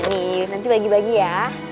nih nanti bagi bagi ya